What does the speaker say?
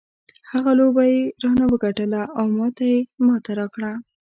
هغه لوبه یې رانه وګټله او ما ته یې ماتې راکړه.